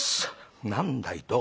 何だい。